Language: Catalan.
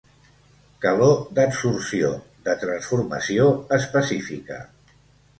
Calor d'adsorció, de transformació, específica.